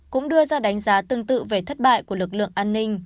cũng đưa ra đánh giá tương tự về thất bại của lực lượng an ninh